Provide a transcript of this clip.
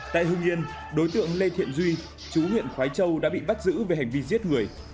tại hương yên đối tượng lê thiện duy chú huyện khói châu đã bị bắt giữ về hành vi giết người